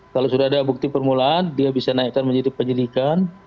kalau sudah ada bukti permulaan dia bisa naikkan menjadi penyelidikan